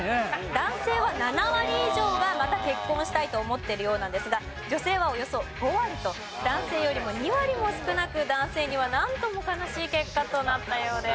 男性は７割以上はまた結婚したいと思ってるようなんですが女性はおよそ５割と男性よりも２割も少なく男性にはなんとも悲しい結果となったようです。